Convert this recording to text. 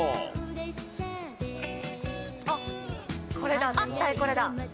あっ、これだ、絶対これだ。